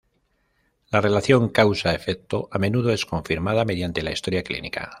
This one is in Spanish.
La relación causa-efecto a menudo es confirmada mediante la historia clínica.